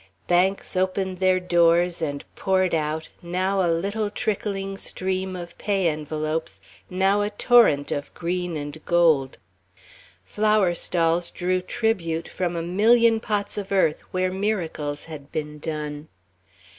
Banks opened their doors and poured out, now a little trickling stream of pay envelopes, now a torrent of green and gold. Flower stalls drew tribute from a million pots of earth where miracles had been done.